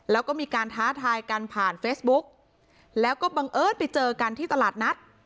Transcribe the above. แล้วก็มีการท้าทายกันผ่านเฟซบุ๊กแล้วก็บังเอิญไปเจอกันที่ตลาดนัด